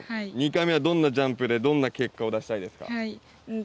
２回目はどんなジャンプで、どんな結果を出したいですか。